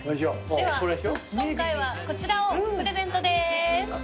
では今回はこちらをプレゼントです。